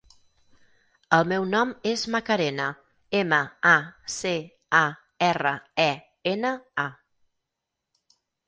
El meu nom és Macarena: ema, a, ce, a, erra, e, ena, a.